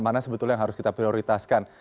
mana sebetulnya yang harus kita prioritaskan